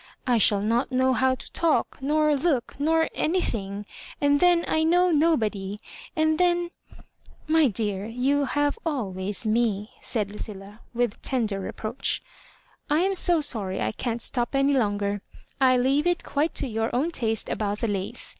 " I shall not know how to talk, nor look, nor anything; and tiien I know nobody; and then '* "My dear, you have always ww," said Lucilla, with tender reproach. " I am so sorry I can't stop any longer. I leave it quite to your own taste about the lace.